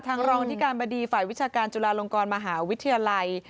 รองอธิการบดีฝ่ายวิชาการจุฬาลงกรมหาวิทยาลัย